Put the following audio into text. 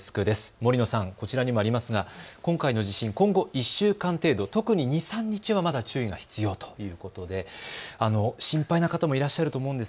森野さん、こちらにもありますが今回の地震、今後１週間程度、特に２、３日はまだ注意が必要ということで心配な方もいらっしゃると思います。